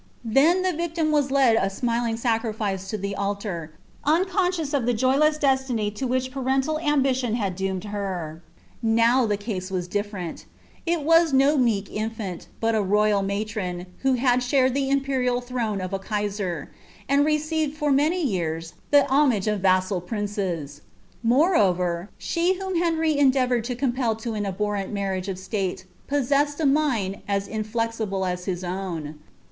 Then the victim was led ■ ■■ding sacrifice to (lie altar, unconscious of the joyless destiny to which {Mrcnliil ambitioD had doomed her. AW the case was different j it was ao merk inlWaL, but s royal matron, who had shared the imperial throne of ■ Kvscr, and received for years tiie homage of Taesal princes, Morrorer, alie whom Henry endeiivoured to compel to an abhorrent marrian of stale, possessed a mind, as inflexible as his own.